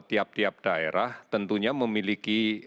tiap tiap daerah tentunya memiliki